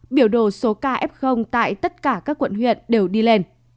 biểu đồ số kf tại tất cả các quận huyện đều đi lên